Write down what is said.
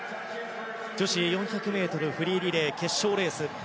女子４００ｍフリーリレー決勝レース